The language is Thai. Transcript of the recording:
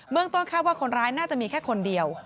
เมืองต้นคาดว่าคนร้ายน่าจะมีแค่คนเดียว